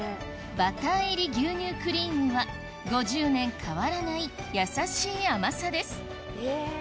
バター入り牛乳クリームは５０年変わらない優しい甘さです